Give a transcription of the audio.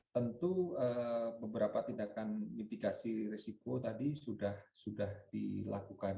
tentu beberapa tindakan mitigasi risiko tadi sudah dilakukan